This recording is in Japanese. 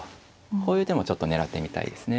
こういう手もちょっと狙ってみたいですね。